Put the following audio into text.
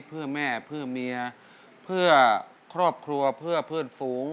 เพื่อแม่เพื่อเมียเพื่อครอบครัวเพื่อเพื่อนฝูง